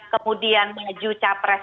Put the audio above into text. kemudian menuju capres